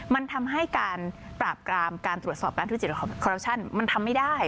มันทำให้การปราบกรามการตรวจสอบการทุจริตของคอรัปชั่นมันทำไม่ได้